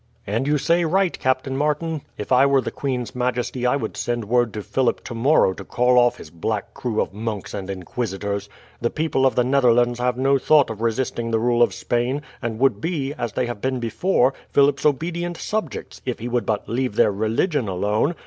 "And you say right, Captain Martin. If I were the queen's majesty I would send word to Philip tomorrow to call off his black crew of monks and inquisitors. The people of the Netherlands have no thought of resisting the rule of Spain, and would be, as they have been before, Philip's obedient subjects, if he would but leave their religion alone.